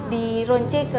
dironce ke perhiasan